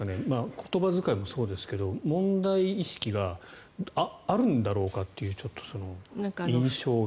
言葉遣いもそうですけど問題意識があるんだろうかというちょっと印象が。